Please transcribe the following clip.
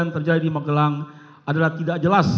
kita harus membuatnya